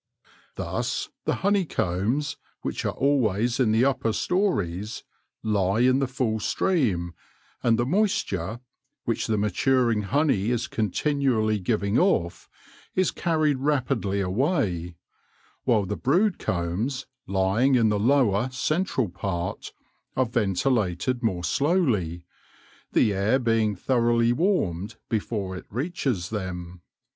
Thus the honey combs, which are always in the upper stories, lie in the full stream, and the moisture, which the maturing honey is continually giving off, is carried rapidly away ; while the brood combs, lying in the lower, central part, are ventilated more slowly, the air being thoroughly warmed before it reaches them.